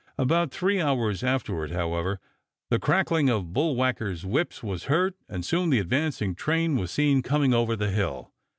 About three hours afterward, however, the cracking of bull whacker's whips was heard, and soon the advancing train was seen coming over the hill.